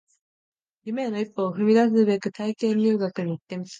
夢への一歩を踏み出すべく体験入学に行ってみた